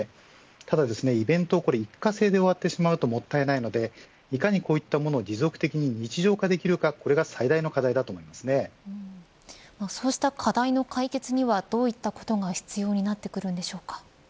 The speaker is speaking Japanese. ただ、イベント、一過性で終わってしまうともったいないのでいかに、こういったものを持続的に日常化できるかがそうした課題の解決にはどういったことが必要になってくるんでしょうか。